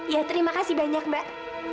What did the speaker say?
ya terima kasih banyak mbak